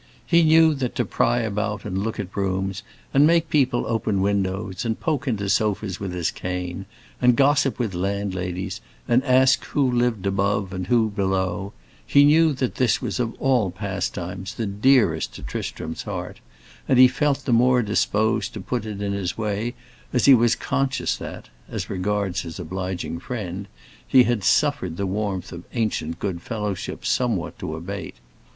He knew that to pry about and look at rooms, and make people open windows, and poke into sofas with his cane, and gossip with landladies, and ask who lived above and who below—he knew that this was of all pastimes the dearest to Tristram's heart, and he felt the more disposed to put it in his way as he was conscious that, as regards his obliging friend, he had suffered the warmth of ancient good fellowship somewhat to abate.